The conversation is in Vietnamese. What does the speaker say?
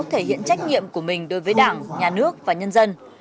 thể hiện trách nhiệm của mình đối với đảng nhà nước và nhân dân